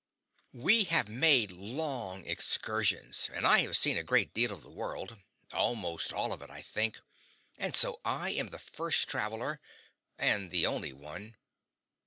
We have made long excursions, and I have seen a great deal of the world; almost all of it, I think; and so I am the first traveler, and the only one.